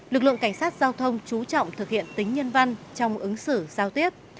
lực lượng cảnh sát giao thông chú trọng thực hiện tính nhân văn trong ứng xử giao tiếp